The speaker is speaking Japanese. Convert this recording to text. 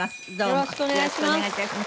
よろしくお願いします。